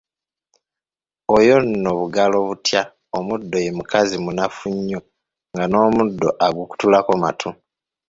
Oyo nno bugalo butya omuddo ye mukazi munafu nnyo, nga n'omuddo agukutulako matu.